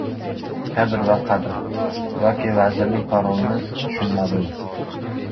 Kadr va qadr. Yoki vazirlik «parol»ni tushunmabdimi?